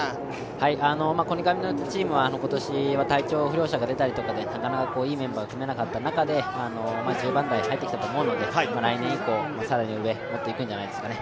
コニカミノルタチームは今年は体調不良者が出たりとかでなかなかいいメンバーが組めなかった中で１０番台に入ってきたと思うので、来年以降、更に上を狙っていくんじゃないですかね。